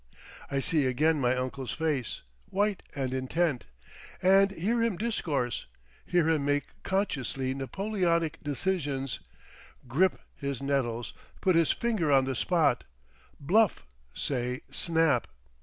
I see again my uncle's face, white and intent, and hear him discourse, hear him make consciously Napoleonic decisions, "grip" his nettles, put his "finger on the spot," "bluff," say "snap."